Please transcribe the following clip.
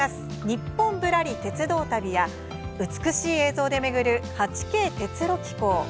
「ニッポンぶらり鉄道旅」や美しい映像で巡る「８Ｋ鉄路紀行」。